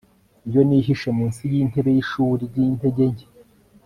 iyo nihishe munsi yintebe yishuri ryintege nke